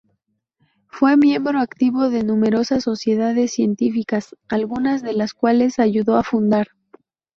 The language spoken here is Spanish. Fue miembro activo de numerosas sociedades científicas, algunas de las cuales ayudó a fundar.